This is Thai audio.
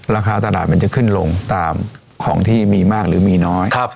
ราคาตลาดมันจะขึ้นลงตามของที่มีมากหรือมีน้อย